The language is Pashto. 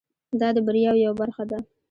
دا د بریاوو یوه برخه ده.